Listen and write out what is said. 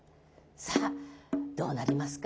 さあどうなりますか。